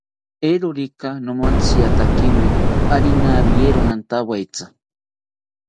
Eeerorika nomantziatzimi, ari nawiero nantawetzi